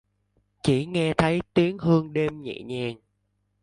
Chỉ nghe thấy tiếng hương đêm nhẹ nhàng